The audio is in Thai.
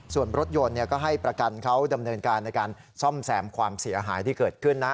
ส่วนรถยนต์ก็ให้ประกันเขาดำเนินการในการซ่อมแซมความเสียหายที่เกิดขึ้นนะ